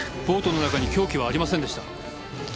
ボートの中に凶器はありませんでした。